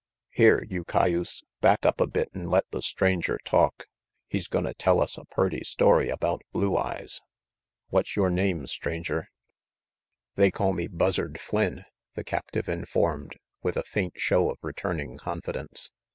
Here, you cayuse, back up a bit an' let the Stranger talk. He's gonna tell us a purty story about Blue Eyes. What's yore name, Stranger?" 96 RANGY PETE "They call me Buzzard Flynn," the captive informed, with a faint show of returning confidence.